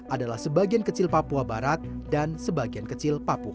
adalah sebagian kecil papua barat dan sebagian kecil papua